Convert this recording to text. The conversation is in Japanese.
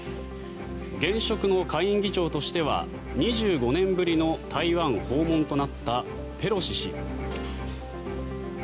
現職の下院議長としては２５年ぶりの台湾訪問となったペロシ氏。